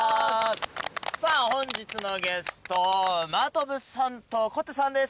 さあ本日のゲスト真飛さんと小手さんです。